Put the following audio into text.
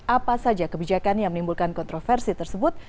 apa saja kebijakan yang menimbulkan kontroversi tersebut